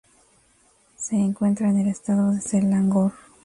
Se encuentra en el estado de Selangor.